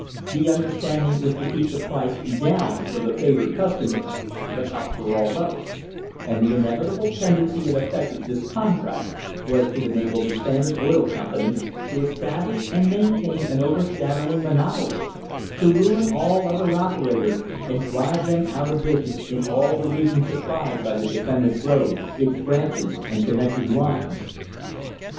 "The understanding was to keep the price down for the favoured customer, but up for all others, and the inevitable tendency and effect of this contract was to enable the Standard Oil Company to establish and maintain an overshadowing mon opoly, to ruin all other operators and drive them out of business in all the region supplied by the defendant's road, its branches and connecting lines."